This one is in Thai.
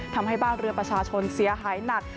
ทำให้บ้านเรือประชาชนเสียหายหนัก